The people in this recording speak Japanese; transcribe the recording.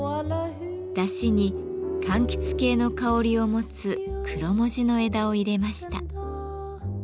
だしにかんきつ系の香りを持つクロモジの枝を入れました。